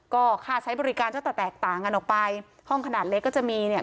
ก็ค่าใช้บริการก็จะแตกต่างกันออกไปห้องขนาดเล็กก็จะมีเนี่ย